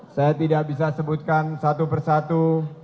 saya tidak bisa sebutkan satu persatu